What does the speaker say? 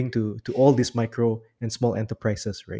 untuk semua bisnis mikro dan kebanyakan perusahaan kecil bukan